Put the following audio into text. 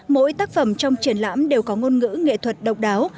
mỗi tác phẩm trong triển lãm đều có ngôn ngữ nghệ thuật độc đáo